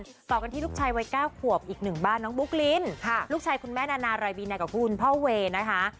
ต่อกันที่ลูกชายวัย๙ขวบอีกหนึ่งบ้านน้องบุ๊กลิ้นลูกชายคุณแม่นานารายบินกับคุณพ่อเวย์นะคะ